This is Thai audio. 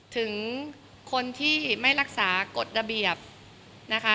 ถึงคนที่ไม่รักษากฎระเบียบนะคะ